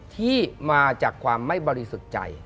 ที่มาจากความไม่บริสุทธิ์ใจ